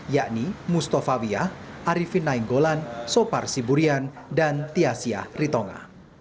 yakni mustafa bia arifin nainggolan sopar siburian dan tiasia ritonga